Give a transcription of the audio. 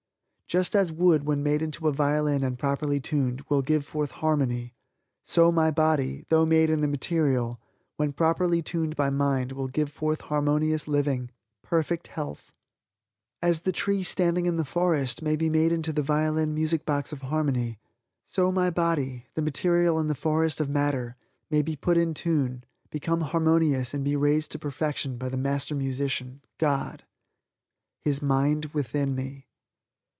Just as wood when made into a violin and properly tuned, will give forth harmony, so my body, though made in the material, when properly tuned by mind will give forth harmonious living, perfect health. As the tree standing in the forest may be made into the violin music box of harmony, so my body, the material in the forest of matter, may be put in tune, become harmonious and be raised to perfection by the Master Musician, God His mind within me.